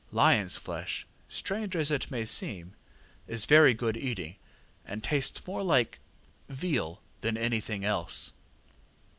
LionsŌĆÖ flesh, strange as it may seem, is very good eating, and tastes more like veal than anything else.